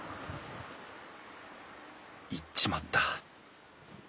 行っちまった。